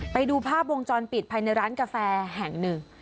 ไปดูภาพวงจรปิดภายในร้านกาแฟแห่งหนึ่ง